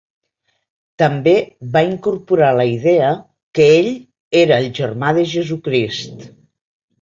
També va incorporar la idea que ell era el germà de Jesucrist.